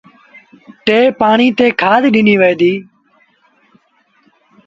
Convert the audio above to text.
ٽئيٚن پآڻيٚ تي وري کآڌ ڏنيٚ وهي ديٚ